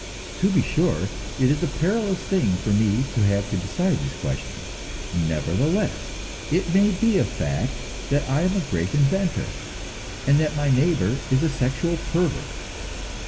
To be sure, it is a perilous thing for me to have to decide this question; nevertheless, it may be a fact that I am a great inventor, and that my neighbor is a sexual pervert.